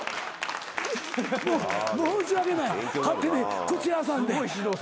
申し訳ない勝手に口挟んで。